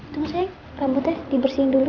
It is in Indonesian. tunggu sayang rambutnya dibersihin dulu